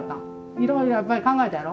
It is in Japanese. いろいろやっぱり考えたやろ？